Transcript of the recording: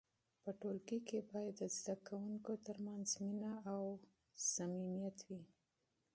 په ټولګي کې باید د زده کوونکو ترمنځ مینه او صمیمیت وي.